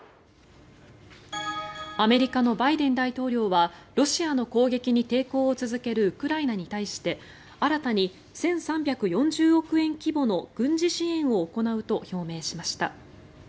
アメリカのバイデン大統領はロシアの攻撃に抵抗を続けるウクライナに対して新たに１３４０億円規模の軍事支援を行うと表明しました。